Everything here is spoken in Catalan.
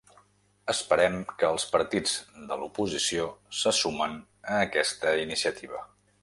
Esperem que els partits de l’oposició se sumen a aquesta iniciativa.